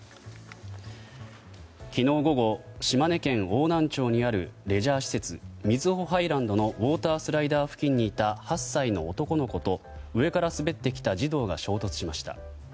昨日午後、島根県邑南町にあるレジャー施設瑞穂ハイランドのウォータースライダー付近にいた８歳の男の子と上から滑ってきた児童が衝突しました。